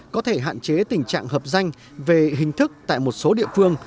có thể hạn chế tình trạng hợp danh về hình thức tại một số địa phương